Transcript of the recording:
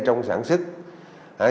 trong sản xuất